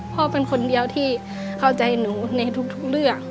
พ่อเป็นคนเดียวที่เข้าใจหนูในทุกเรื่อง